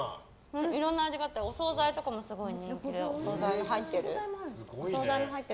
いろんな味があってお総菜とかもすごい人気でお総菜が入ってるやつ。